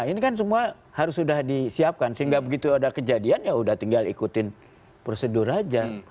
ini kan semua harus sudah disiapkan sehingga begitu ada kejadian ya sudah tinggal ikutin prosedur aja